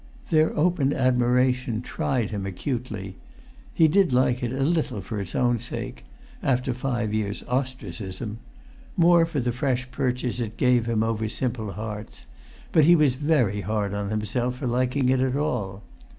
Their open admiration tried him acutely. He did like it a little[Pg 336] for its own sake, after five years' ostracism; more for the fresh purchase it gave him over simple hearts; but he was very hard on himself for liking it at all.